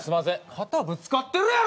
肩ぶつかってるやろ！